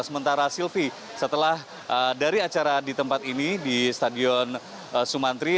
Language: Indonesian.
sementara silvi setelah dari acara di tempat ini di stadion sumantri